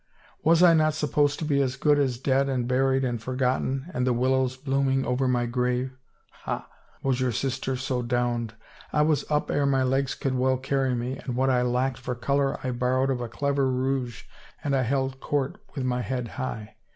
Was I not supposed to be as good as dead and buried and forgotten and the willows blooming over my grave ? Ha I Was your sister so downed? I was up ere my legs could well carry me and what I lacked for color I borrowed of a clever rouge and I held court with my head high.